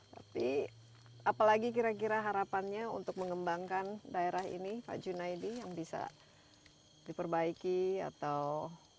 tapi apalagi kira kira harapannya untuk mengembangkan daerah ini pak junaidi yang bisa diperbaiki atau